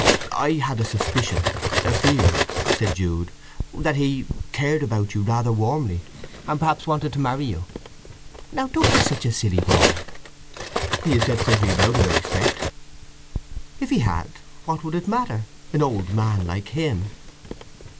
"I had a suspicion, a fear," said Jude, "that he—cared about you rather warmly, and perhaps wanted to marry you." "Now don't be such a silly boy!" "He has said something about it, I expect." "If he had, what would it matter? An old man like him!"